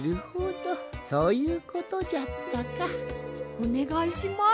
おねがいします。